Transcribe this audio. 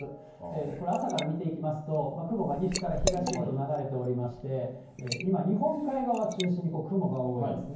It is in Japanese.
これ、朝から見ていきますと、雲が西から東へと流れておりまして、今、日本海側を中心に雲が多いんですね。